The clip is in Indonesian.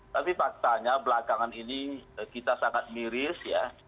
tapi faktanya belakangan ini kita sangat miris ya